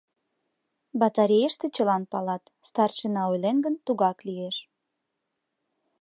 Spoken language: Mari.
Батарейыште чылан палат: старшина ойлен гын, тугак лиеш.